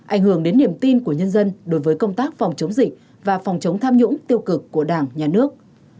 ảnh hưởng đến niềm tin của nhân dân đối với công tác phòng chống dịch và phòng chống tham nhũng tiêu cực của đảng nhà nước